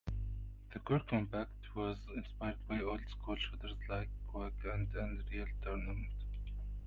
The core combat was inspired by old school shooters like Quake and Unreal Tournament.